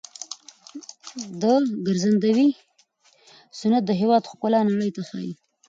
د ګرځندوی صنعت د هیواد ښکلا نړۍ ته ښيي.